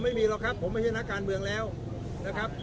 ไม่มีหรอกครับผมไม่ใช่นักการเมืองแล้วนะครับ